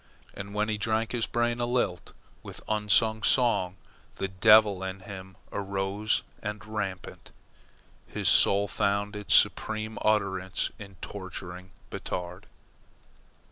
And when he had drunk, his brain a lilt with unsung song and the devil in him aroused and rampant, his soul found its supreme utterance in torturing Batard.